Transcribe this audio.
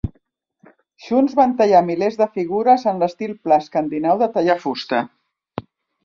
Junts van tallar milers de figures en l'estil pla escandinau de tallar fusta.